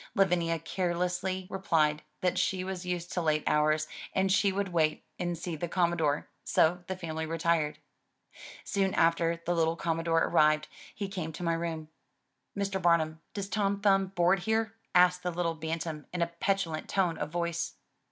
Lavinia carelessly replied that she was used to late hours and she would wait and see the Commodore, so the family retired. Soon after the little Commodore arrived, he came to my room. "Mr. Bamum, does Tom Thumb board here?*' asked the little bantam in a petulant tone of voice.